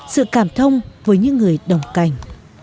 sự cảm thông với những người đồng cành